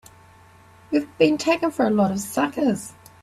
We've been taken for a lot of suckers!